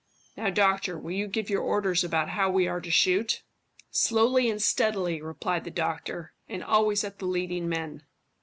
Now, doctor, will you give your orders about how we are to shoot?" "Slowly and steadily," replied the doctor, "and always at the leading men.